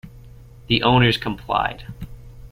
The owners complied.